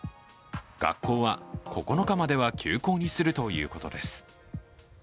学校は９日までは休校にするということです。